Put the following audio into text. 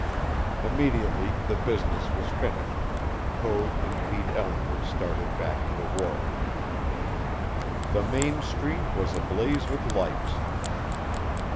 Immediately the business was finished, Code and Pete Ellinwood started back to the wharf. The main street was ablaze with lights.